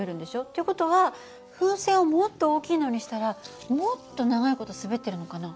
っていう事は風船をもっと大きいのにしたらもっと長い事滑ってるのかな？